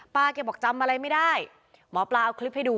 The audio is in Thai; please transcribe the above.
แกบอกจำอะไรไม่ได้หมอปลาเอาคลิปให้ดู